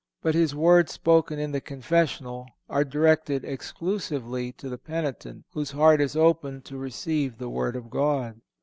But his words spoken in the confessional are directed exclusively to the penitent, whose heart is open to receive the Word of God.